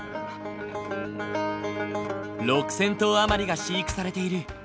６，０００頭余りが飼育されている。